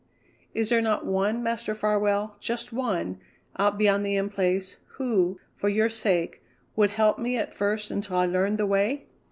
"Is there not one, Master Farwell, just one, out beyond the In Place, who, for your sake, would help me at first until I learned the way?"